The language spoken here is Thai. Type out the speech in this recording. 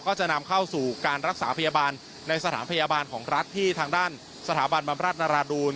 ก็จะนำเข้าสู่การรักษาพยาบาลในสถานพยาบาลของรัฐที่ทางด้านสถาบันบำราชนราดูล